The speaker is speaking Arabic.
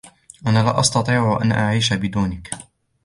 أنا لا أستطيع أن أعيش بدونك.